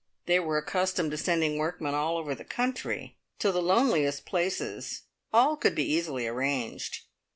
They were accustomed to sending workmen all over the country. To the loneliest places. All could be easily arranged.